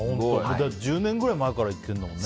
１０年くらい前から行ってるもんね。